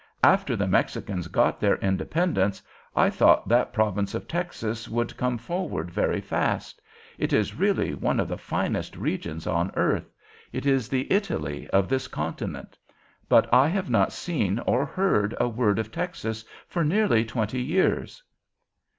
After the Mexicans got their independence, I thought that province of Texas would come forward very fast. It is really one of the finest regions on earth; it is the Italy of this continent. But I have not seen or heard a word of Texas for near twenty years."